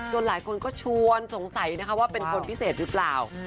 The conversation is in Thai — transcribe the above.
จนหลายคนเขาชวนสงสัยว่าเป็นคนพิเศษหรือเปล่า